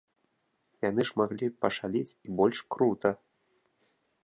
Яны ж маглі пашаліць і больш крута.